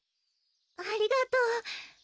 ありがとう。